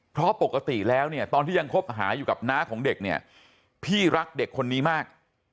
เพราะปกติแล้วเนี่ยตอนที่ยังคบหาอยู่กับน้าของเด็กเนี่ยพี่รักเด็กคนนี้มาก